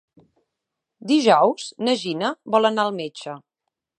Dijous na Gina vol anar al metge.